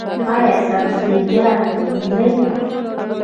ایا سبزیجات مینځئ؟